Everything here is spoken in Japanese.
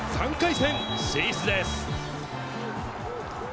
３回戦進出です。